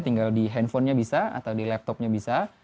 tinggal di handphonenya bisa atau di laptopnya bisa